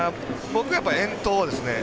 僕は遠投ですね。